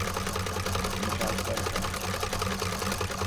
İyi şanslar efendim.